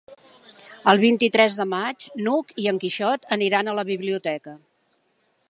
El vint-i-tres de maig n'Hug i en Quixot aniran a la biblioteca.